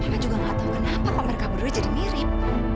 mama juga enggak tahu kenapa kalau mereka berdua jadi mirip